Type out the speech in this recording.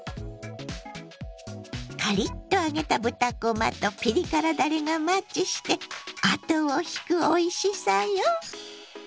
カリッと揚げた豚こまとピリ辛だれがマッチして後を引くおいしさよ。